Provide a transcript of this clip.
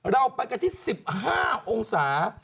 เราไปกันที่๑๕องศา